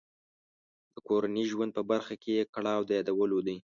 د کورني ژوند په برخه کې یې کړاو د یادولو دی.